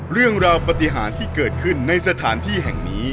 เรื่องราวปฏิหารที่เกิดขึ้นในสถานที่แห่งนี้